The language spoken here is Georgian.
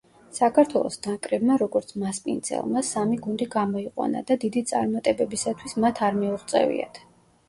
საქართველოს ნაკრებმა, როგორც მასპინძელმა, სამი გუნდი გამოიყვანა და დიდი წარმატებებისათვის მათ არ მიუღწევიათ.